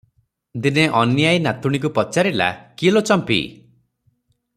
ଦିନେ ଅନୀ ଆଈ ନାତୁଣୀକୁ ପଚାରିଲା, "କି ଲୋ ଚମ୍ପି!